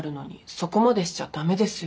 そこまでしちゃ駄目ですよ。